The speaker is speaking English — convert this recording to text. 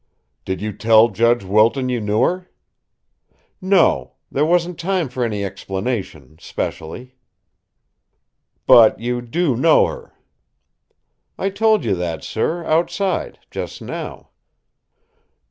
"Did you tell Judge Wilton you knew her?" "No. There wasn't time for any explanation specially." "But you do know her?" "I told you that, sir, outside just now."